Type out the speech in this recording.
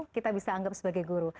kita bisa anggap sebagai guru